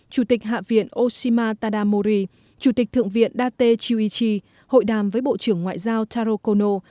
chủ tịch hạ viện oshima tadamori chủ tịch thượng viện date chiuichi hội đàm với bộ trưởng ngoại giao taro kono